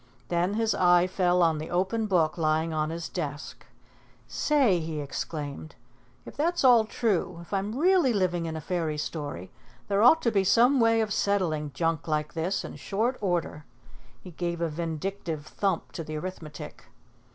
Then his eye fell on the open book lying on his desk. "Say!" he exclaimed. "If that's all true, if I'm really living in a fairy story, there ought to be some way of settling junk like this in short order." He gave a vindictive thump to the arithmetic.